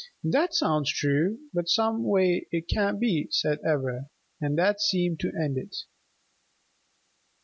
"That sounds true, but someway it can't be," said Ivra. And that seemed to end it.